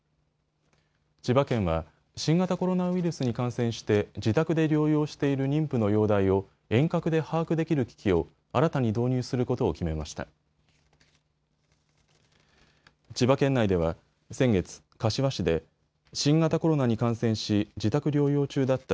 千葉県は新型コロナウイルスに感染して自宅で療養している妊婦の容体を遠隔で把握できる機器を新たに導入することを決めました。